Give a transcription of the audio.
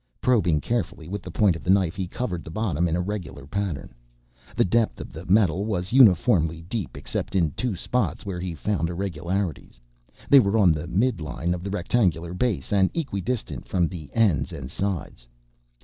Probing carefully with the point of the knife he covered the bottom in a regular pattern. The depth of the metal was uniformly deep except in two spots where he found irregularities, they were on the midline of the rectangular base, and equidistant from the ends and sides.